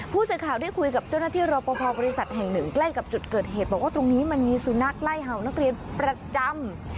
ผู้สื่อข่าวได้คุยกับเจ้าหน้าที่รอปภบริษัทแห่งหนึ่งใกล้กับจุดเกิดเหตุบอกว่าตรงนี้มันมีสุนัขไล่เห่านักเรียนประจำ